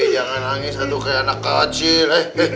jangan nangis aduh kayak anak kecil